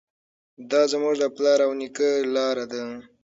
دا زموږ د پلار او نیکه لاره ده.